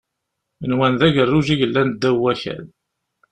Nwan d agerruj i yellan ddaw wakal.